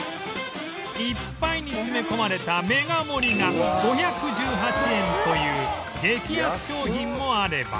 いっぱいに詰め込まれたメガ盛が５１８円という激安商品もあれば